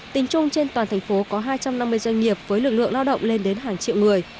tính chung trên toàn thành phố có hai trăm năm mươi doanh nghiệp với lực lượng lao động lên đến hàng triệu người